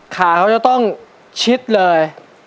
ขาเขาจะต้องชิดเลย